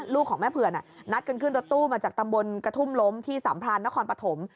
ลูกของแม่เผื่อนนัดกันขึ้นรถตู้มาจากตำบลกระทุ่มล้มที่สามพรานนครปฐม